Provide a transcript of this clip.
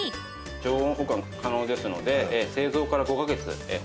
常温保管可能ですので製造から５カ月保存可能です。